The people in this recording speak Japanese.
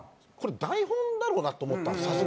これ台本だろうなと思ったんです